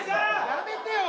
やめてよ！